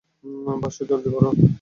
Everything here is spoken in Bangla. বাসু জলদি কর।